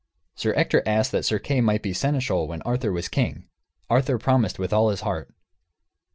Sir Ector asked that Sir Kay might be seneschal when Arthur was king. Arthur promised with all his heart.